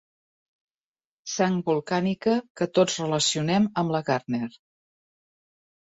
Sang volcànica que tots relacionem amb la Gardner.